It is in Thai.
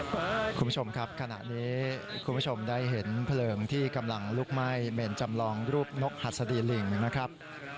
คุณผู้ชมครับขณะนี้คุณผู้ชมได้เห็นเพลิงที่กำลังลุกไหม้เมนจำลองรูปนกหัสดีลิงนะครับ